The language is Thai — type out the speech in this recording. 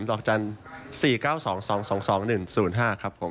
ดอกจันทร์๔๙๒๒๒๑๐๕ครับผม